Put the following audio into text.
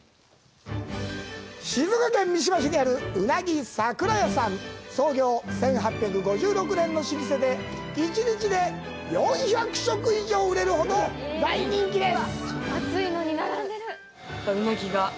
静岡県三島市にあるうなぎ桜家さん創業１８５６年の老舗で１日で４００食以上売れるほど大人気です